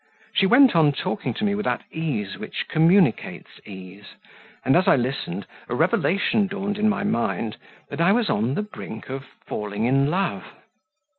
She went on talking to me with that ease which communicates ease, and, as I listened, a revelation dawned in my mind that I was on the brink of falling in love.